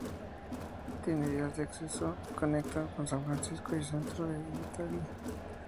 Tiene vías de acceso que conectan con San Francisco y el centro de Itagüí.